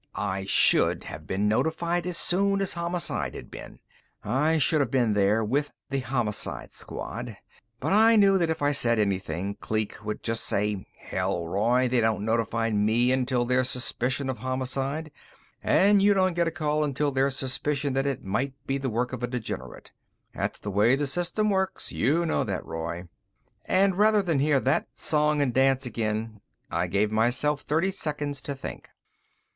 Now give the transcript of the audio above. I should have been notified as soon as Homicide had been; I should have been there with the Homicide Squad. But I knew that if I said anything, Kleek would just say, "Hell, Roy, they don't notify me until there's suspicion of homicide, and you don't get a call until there's suspicion that it might be the work of a degenerate. That's the way the system works. You know that, Roy." And rather than hear that song and dance again, I gave myself thirty seconds to think.